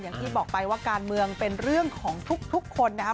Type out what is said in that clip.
อย่างที่บอกไปว่าการเมืองเป็นเรื่องของทุกคนนะครับ